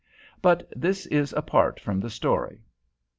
But this is apart from the story.